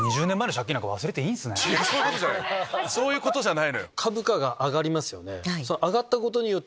違うそういうことじゃないのよ。